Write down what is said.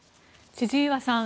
千々岩さん